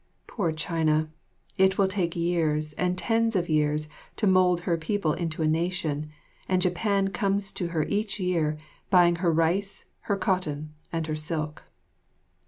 Poor China! It will take years and tens of years to mould her people into a nation; and Japan comes to her each year, buying her rice, her cotton and her silk.